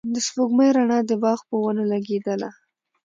د سپوږمۍ رڼا د باغ په ونو لګېدله.